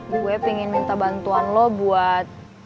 gue pengen minta bantuan lo buat